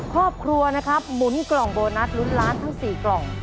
ครอบครัวนะครับหมุนกล่องโบนัสลุ้นล้านทั้ง๔กล่อง